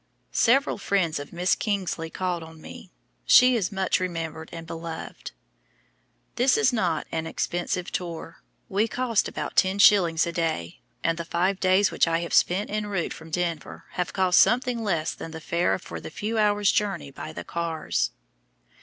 Several friends of Miss Kingsley called on me; she is much remembered and beloved. This is not an expensive tour; we cost about ten shillings a day, and the five days which I have spent en route from Denver have cost something less than the fare for the few hours' journey by the cars.